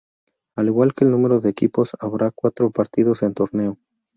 Al igual que el número de equipos, habrá cuatro partidos en torneo.